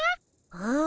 うん。